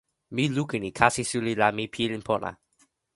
mi lukin e kasi suli la mi pilin pona.